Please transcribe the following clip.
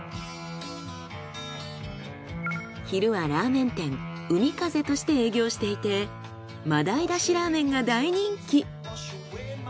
昼はラーメン店Ｕｍｉｋａｚｅとして営業していて真鯛だしラーメンが大人気。